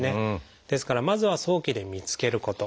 ですからまずは早期で見つけること。